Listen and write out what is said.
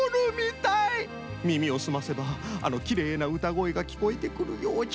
みみをすませばあのきれいなうたごえがきこえてくるようじゃ。